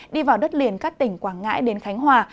đi vào đất liền các tỉnh quảng ngãi đến khánh hòa